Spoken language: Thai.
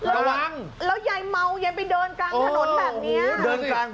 กลางถนนมันไม่มีแม่ง่านเลยล่ะ